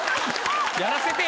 やらせてよ。